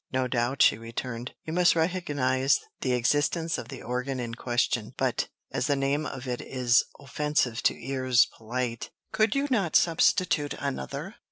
"No doubt," she returned, "you must recognize the existence of the organ in question; but, as the name of it is offensive to ears polite, could you not substitute another?